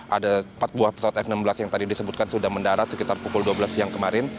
ada empat buah pesawat f enam belas yang tadi disebutkan sudah mendarat sekitar pukul dua belas siang kemarin